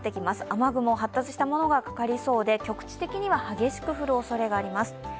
雨雲、発達したものがかかりそうで局地的には激しく降るおそれがあります。